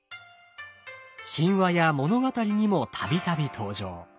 神話や物語にも度々登場。